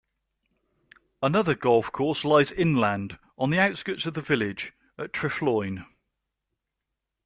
Another golf course lies inland, on the outskirts of the village, at Trefloyne.